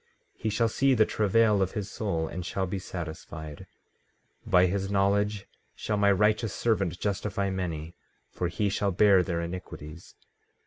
14:11 He shall see the travail of his soul, and shall be satisfied; by his knowledge shall my righteous servant justify many; for he shall bear their iniquities.